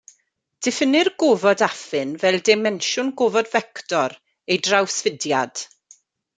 Diffinnir gofod affin fel dimensiwn gofod fector ei drawsfudiad.